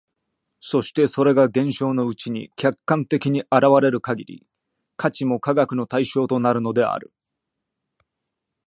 そしてそれが現象のうちに客観的に現れる限り、価値も科学の対象となるのである。